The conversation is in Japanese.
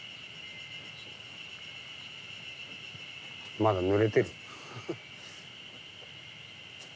まだぬれてる。